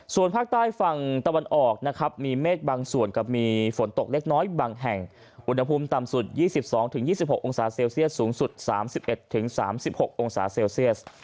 ส่วนภาคใต้ฝั่งตะวันออกนะครับมีเมฆบางส่วนกับมีฝนตกเล็กน้อยบางแห่งอุณหภูมิต่ำสุด๒๒๒๖องศาเซลเซียสสูงสุด๓๑๓๖องศาเซลเซียส